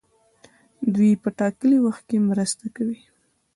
دوی په ټاکلي وخت کې مرسته کوي.